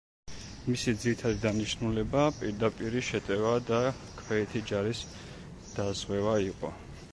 მისი ძირითადი დანიშნულება პირდაპირი შეტევა და ქვეითი ჯარის დაზღვევა იყო.